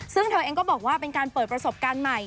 ซึ่งเธอเองก็บอกว่าเป็นการเปิดประสบการณ์ใหม่